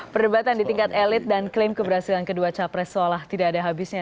perdebatan di tingkat elit dan klaim keberhasilan kedua capres seolah tidak ada habisnya